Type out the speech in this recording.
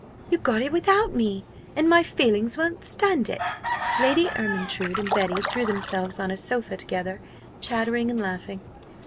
You got it without me and my feelings won't stand it!" Lady Ermyntrude and Betty threw themselves on a sofa together, chattering and laughing.